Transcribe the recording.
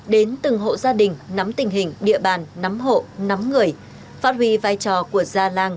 đến từng hộ gia đình nắm tình hình địa bàn nắm hộ nắm người phát huy vai trò của gia làng